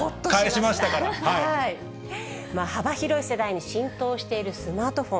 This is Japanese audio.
幅広い世代に浸透しているスマートフォン。